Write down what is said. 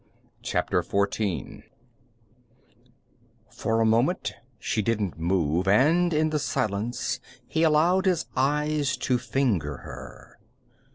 CHAPTER FOURTEEN For a moment, she didn't move and, in the silence, he allowed his eyes to finger her.